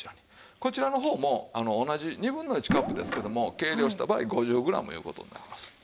こちらの方も同じ２分の１カップですけども計量した場合５０グラムいう事になります。